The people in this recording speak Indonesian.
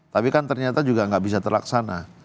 tapi kan ternyata juga nggak bisa terlaksana